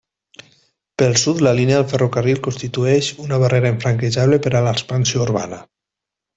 Pel sud la línia del ferrocarril constitueix una barrera infranquejable per a l'expansió urbana.